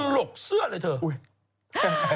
หลกเสื้อเลยเถอะ